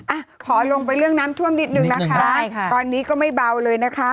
อ่ะขอลงไปเรื่องน้ำท่วมนิดนึงนะคะใช่ค่ะตอนนี้ก็ไม่เบาเลยนะคะ